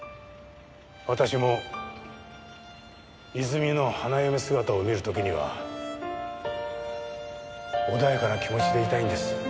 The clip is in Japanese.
私も泉の花嫁姿を見る時には穏やかな気持ちでいたいんです。